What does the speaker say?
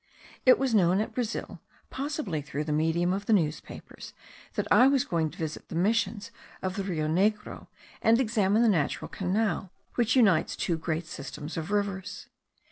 It was known at Brazil, possibly through the medium of the newspapers, that I was going to visit the missions of the Rio Negro, and examine the natural canal which unites two great systems of rivers.